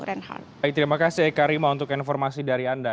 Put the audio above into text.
baik terima kasih eka rima untuk informasi dari anda